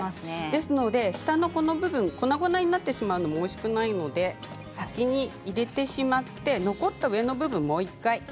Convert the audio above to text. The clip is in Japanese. ですので下の部分粉々になってしまうのもおいしくないので先に入れてしまって残った上の部分も。